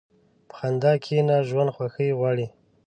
په خندا کښېنه، ژوند خوښي غواړي.